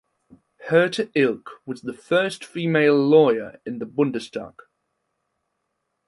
Herta Ilk was the first female lawyer in the Bundestag.